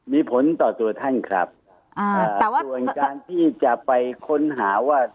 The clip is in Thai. มีผลต่อตัวท่านครับอ่าส่วนการที่จะไปค้นหาว่า